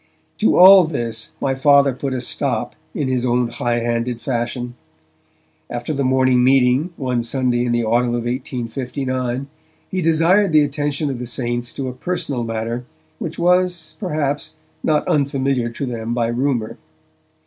To all this my Father put a stop in his own high handed fashion. After the morning meeting, one Sunday in the autumn of 1859, he desired the attention of the Saints to a personal matter which was, perhaps, not unfamiliar to them by rumour.